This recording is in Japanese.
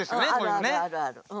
あるあるあるある。